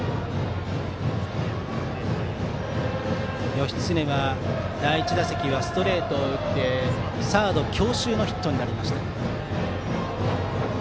義経は第１打席ストレートを打ってサード強襲のヒットになりました。